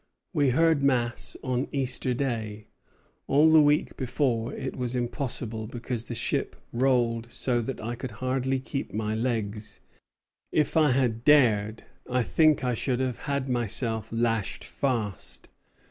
We heard Mass on Easter Day. All the week before, it was impossible, because the ship rolled so that I could hardly keep my legs. If I had dared, I think I should have had myself lashed fast.